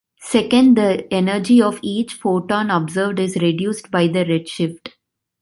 Second, the energy of each photon observed is reduced by the redshift.